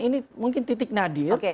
ini mungkin titik nadir